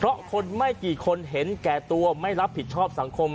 เพราะคนไม่กี่คนเห็นแก่ตัวไม่รับผิดชอบสังคม